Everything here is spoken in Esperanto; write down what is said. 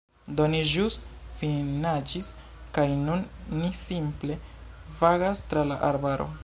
Do ni Ĵus finnaĝis kaj nun ni simple vagas tra la arbaro